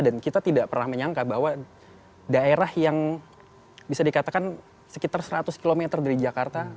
dan kita tidak pernah menyangka bahwa daerah yang bisa dikatakan sekitar seratus km dari jakarta